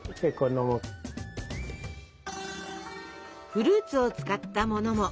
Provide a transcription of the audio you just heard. フルーツを使ったものも。